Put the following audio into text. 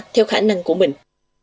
theo khả năng của mình